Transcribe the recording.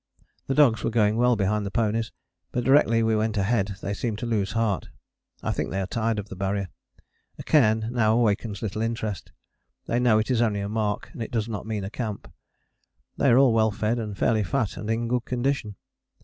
The dogs were going well behind the ponies, but directly we went ahead they seemed to lose heart. I think they are tired of the Barrier: a cairn now awakens little interest: they know it is only a mark and it does not mean a camp: they are all well fed, and fairly fat and in good condition.